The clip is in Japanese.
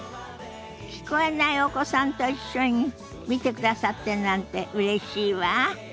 聞こえないお子さんと一緒に見てくださってるなんてうれしいわ。